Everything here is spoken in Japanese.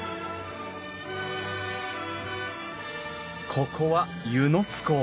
ここは温泉津港。